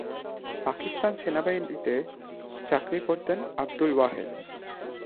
পাকিস্তান সেনাবাহিনীতে চাকরি করতেন আবদুল ওয়াহেদ।